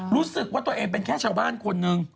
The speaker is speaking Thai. รู้สึกว่าตัวเองเป็นแค่ชาวบ้านคนหนึ่ง